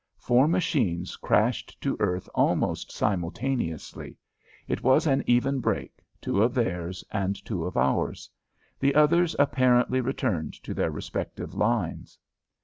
Four machines crashed to earth almost simultaneously. It was an even break two of theirs and two of ours. The others apparently returned to their respective lines.